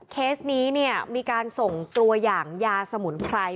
เคสนี้เนี่ยมีการส่งตัวอย่างยาสมุนไพร